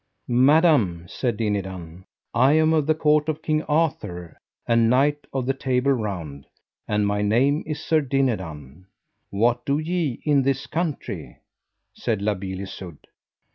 Madam, said Dinadan, I am of the court of King Arthur, and knight of the Table Round, and my name is Sir Dinadan. What do ye in this country? said La Beale Isoud.